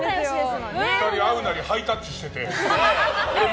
会うなりハイタッチしてて。